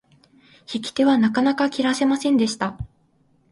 引き手はなかなか切らせませんでした。